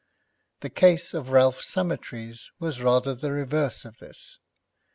The case of Ralph Summertrees was rather the reverse of this.